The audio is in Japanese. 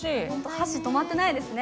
箸、止まってないですね。